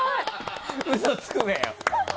嘘つくなよ。